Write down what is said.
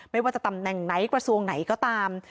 ไม่ว่าจะตำแหน่งไหนกระทรวงไหนก็ตาม